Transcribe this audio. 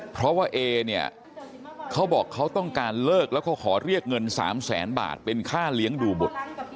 เพราะว่าเอเนี่ยเขาบอกเขาต้องการเลิกแล้วเขาขอเรียกเงิน๓แสนบาทเป็นค่าเลี้ยงดูบุตร